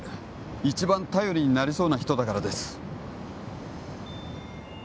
一番頼りになりそうな人だからです